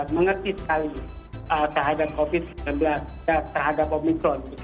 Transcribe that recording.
mengerti sekali terhadap covid sembilan belas dan terhadap omicron